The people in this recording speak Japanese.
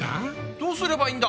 どうすればいいんだ？